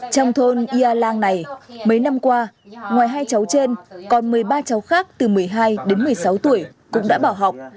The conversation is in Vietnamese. trong thôn ia lang này mấy năm qua ngoài hai cháu trên còn một mươi ba cháu khác từ một mươi hai đến một mươi sáu tuổi cũng đã bảo học